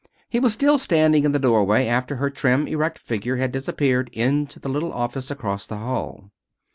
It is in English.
He was still standing in the doorway after her trim, erect figure had disappeared into the little office across the hail.